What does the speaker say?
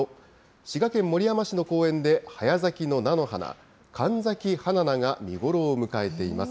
滋賀県守山市の公園で、早咲きの菜の花、カンザキハナナが見頃を迎えています。